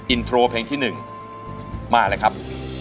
อินโทรเพลงที่๑มาเลยครับ